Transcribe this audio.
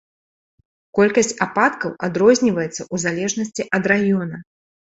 Колькасць ападкаў адрозніваецца ў залежнасці ад раёна.